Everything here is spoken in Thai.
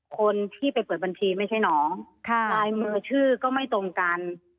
คนที่ไปเปิดบัญชีไม่ใช่น้องลายมือชื่อก็ไม่ตรงกัน